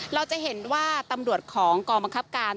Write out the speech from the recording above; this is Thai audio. เราจะเห็นว่าตำรวจของกองบังคับการ